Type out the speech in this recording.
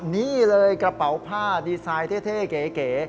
นี่เลยกระเป๋าผ้าดีไซน์เท่เก๋